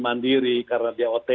buat pengajar veritas